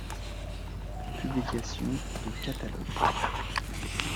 Publication de catalogues.